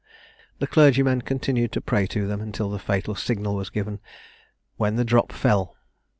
The clergymen continued to pray to them until the fatal signal was given, when the drop fell.